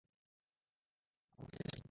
আমার যেতে আপত্তি নেই।